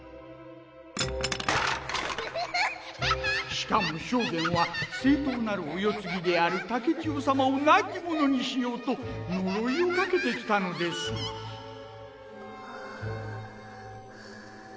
しかも将監は正お世継ぎである竹千代さまを亡き者にしようと呪いをかけてきたのですハァ